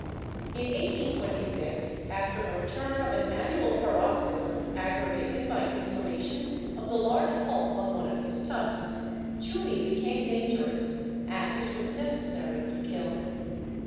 In 1826, after a return of an annual paroxysm, aggravated by inflammation of the large pulp of one of his tusks, Chunee became dangerous, and it was necessary to kill him.